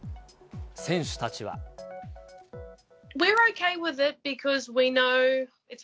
選手たちは。